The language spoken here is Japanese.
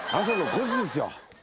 朝の５時ですよ。